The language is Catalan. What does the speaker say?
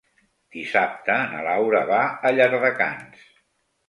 Dissabte na Laura va a Llardecans.